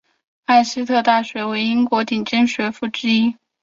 艾希特大学为英国顶尖学府之一。